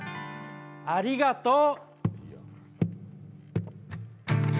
ありがとう。